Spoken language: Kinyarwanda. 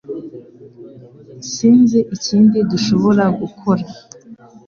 Sinzi ikindi dushobora gukora